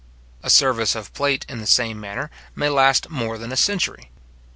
A service of plate in the same manner, may last more than a century.